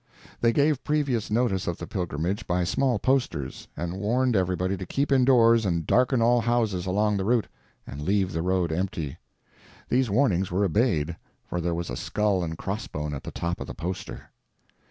They gave previous notice of the pilgrimage by small posters, and warned everybody to keep indoors and darken all houses along the route, and leave the road empty. These warnings were obeyed, for there was a skull and crossbones at the top of the poster.